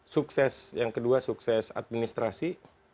sukses yang kedua sukses administrasi